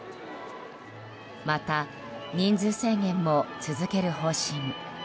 また、人数制限も続ける方針。